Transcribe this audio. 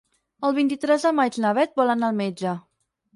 El vint-i-tres de maig na Beth vol anar al metge.